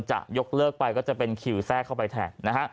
จะยกเลิกไปก็จะเป็นคิวแทรกเข้าไปแทน